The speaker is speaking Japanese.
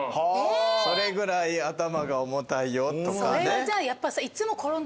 それぐらい頭が重たいよとかね。